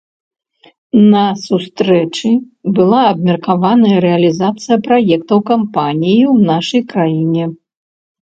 На сустрэчы была абмеркаваная рэалізацыя праектаў кампаніі ў нашай краіне.